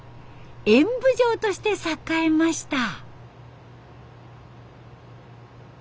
演舞場として栄えました。